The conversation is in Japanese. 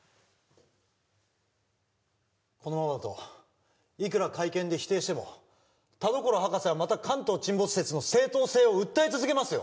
このままだといくら会見で否定しても田所博士はまた関東沈没説の正当性を訴え続けますよ